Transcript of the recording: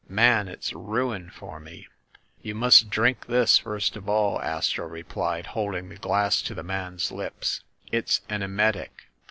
Man, it's ruin for me !" "You must drink this, first of all," Astro replied, holding the glass to the man's lips. "It's an emetic.